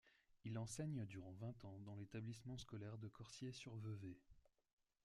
Il enseigne durant vingt ans dans l'établissement scolaire de Corsier-sur-Vevey.